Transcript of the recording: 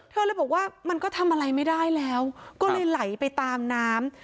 เธอเลยบอกว่ามันก็ทำอะไรไม่ได้แล้วก็เลยไหลไปตามน้ำ